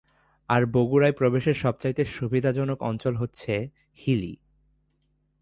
আর বগুড়ায় প্রবেশের সবচাইতে সুবিধাজনক অঞ্চল হচ্ছে "হিলি"।